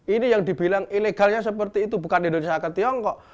ini yang dibilang ilegalnya seperti itu bukan indonesia ke tiongkok